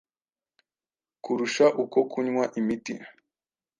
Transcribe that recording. kurusha uko kunywa imiti